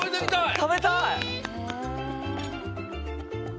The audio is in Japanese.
たべたい！